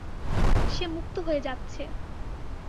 সে মুক্ত হয়ে যাচ্ছে!